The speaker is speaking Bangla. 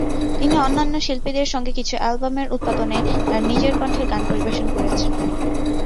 তিনি অন্যান্য শিল্পীদের সঙ্গে কিছু অ্যালবামের উৎপাদনে তার নিজের কণ্ঠে গান পরিবেশন করেছেন।